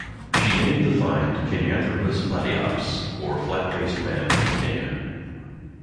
She named the find "Kenyanthropus platyops", or flat-faced man of Kenya.